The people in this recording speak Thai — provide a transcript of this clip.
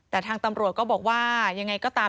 แต่ทางตำรวจก็บอกว่ายังไงก็ตาม